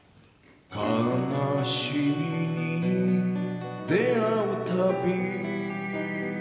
「悲しみに出会うたび」